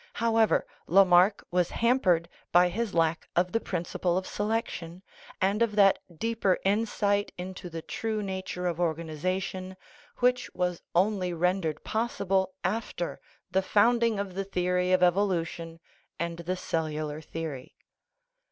How ever, Lamarck was hampered by his lack of the prin ciple of selection, and of that deeper insight into the true nature of organization which was only rendered possi ble after the founding of the theory of evolution and the cellular theory.